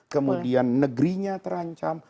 kemudian negerinya terancam